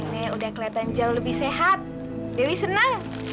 aduh nenek udah keliatan jauh lebih sehat dewi senang